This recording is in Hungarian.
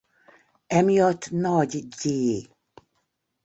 Emiatt Nagy Gy.